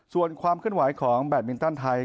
ส่วนความขึ้นหวายของแบตบินต้านไทย